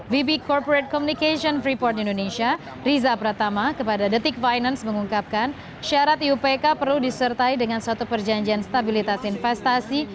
vb corporate communication freeport indonesia riza pratama kepada detik finance mengungkapkan syarat iupk perlu disertai dengan suatu perjanjian stabilitas investasi